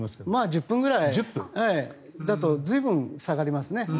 １０分ぐらいだと随分下がりますね。